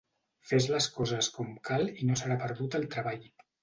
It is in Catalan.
Fes les coses com cal i no serà perdut el treball.